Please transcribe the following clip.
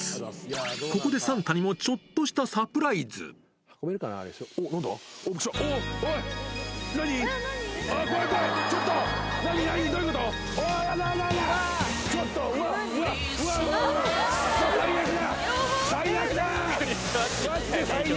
ここでサンタにもちょっとしたサおっ、なんだ？